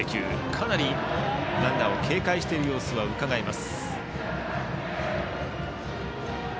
かなりランナーを警戒している様子がうかがえます。